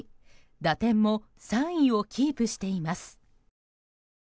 打点も３位をキープしています。